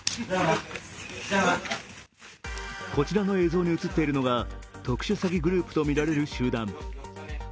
こちらの映像に映っているのが、特殊詐欺グループとみられる集団。